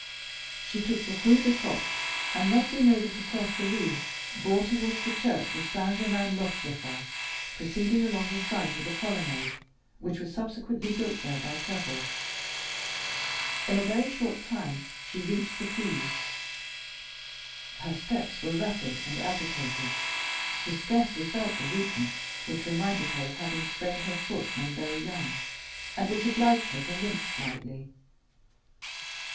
She took the Rue de Coq, and not being able to cross the Louvre, bore towards the church of Saint Germain l'Auxerrois, proceeding along the site of the colonnade which was subsequently built there by Perrault. In a very short time she reached the quays. Her steps were rapid and agitated; she scarcely felt the weakness which reminded her of having sprained her foot when very young, and which obliged her to limp slightly.